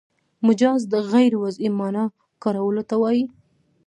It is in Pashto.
مجاز د غیر وضعي مانا کارولو ته وايي.